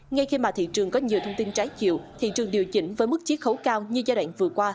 ngay khi mà thị trường có nhiều thông tin trái chiều thị trường điều chỉnh với mức chiết khấu cao như giai đoạn vừa qua